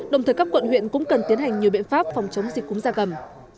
đồng thời các quận huyện cũng cần tiến hành nhiều biện pháp phòng chống dịch cúng gia cầm